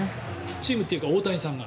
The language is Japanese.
チームというか大谷さんが。